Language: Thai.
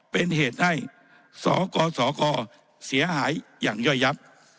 เป็นเหตุให้สกสคเสียหายอย่างย่อยยับ